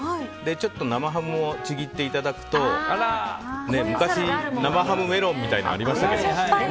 ちょっと生ハムをちぎっていただくと昔、生ハムメロンみたいなのありましたよね。